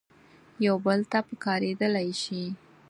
یو بل ته پکارېدلای شي.